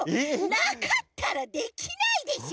なかったらできないでしょ！？